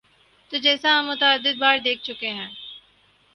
تو جیسا ہم متعدد بار دیکھ چکے ہیں۔